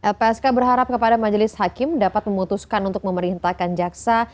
lpsk berharap kepada majelis hakim dapat memutuskan untuk memerintahkan jaksa